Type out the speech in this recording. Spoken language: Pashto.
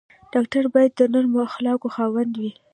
ډاکټر باید د نرمو اخلاقو خاوند وي.